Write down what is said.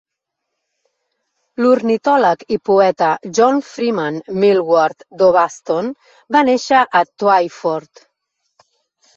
L"ornitòleg i poeta John Freeman Milward Dovaston va néixer a Twyford.